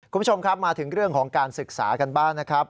คุณผู้ชมครับมาถึงเรื่องของการศึกษากันบ้างนะครับ